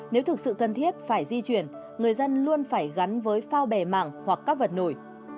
nếu thực sự cần thiết phải di chuyển người dân luôn phải gắn với phao bè mảng hoặc các vật nổi